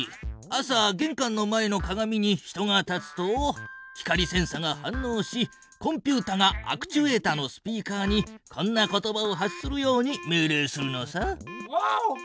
朝げんかんの前の鏡に人が立つと光センサが反のうしコンピュータがアクチュエータのスピーカーにこんな言葉を発するように命令するのさ。